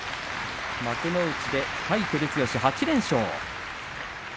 幕内で対照強８連勝。